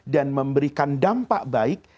dan memberikan dampak baik